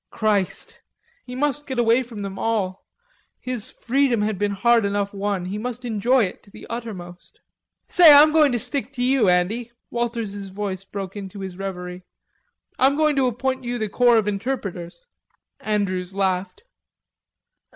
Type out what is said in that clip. Christ! He must get away from them all; his freedom had been hard enough won; he must enjoy it to the uttermost. "Say, I'm going to stick to you, Andy." Walters's voice broke into his reverie. "I'm going to appoint you the corps of interpreters." Andrews laughed.